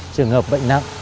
trường hợp bệnh nạn